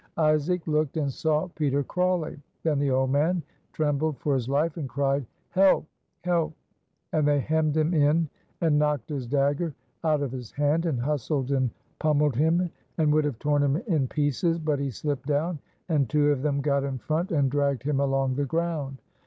Isaac looked and saw Peter Crawley. Then the old man trembled for his life, and cried, "Help! help!" and they hemmed him in and knocked his dagger out of his hand, and hustled and pommeled him, and would have torn him in pieces, but he slipped down, and two of them got in front and dragged him along the ground.